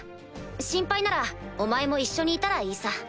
心配ならお前も一緒にいたらいいさ。